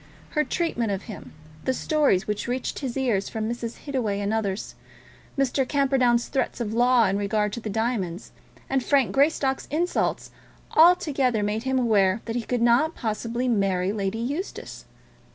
Her treatment of him, the stories which reached his ears from Mrs. Hittaway and others, Mr. Camperdown's threats of law in regard to the diamonds, and Frank Greystock's insults, altogether made him aware that he could not possibly marry Lady Eustace.